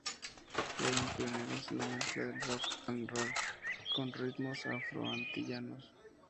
Fueron pioneros en la mezcla del rock and roll con ritmos afro-antillanos.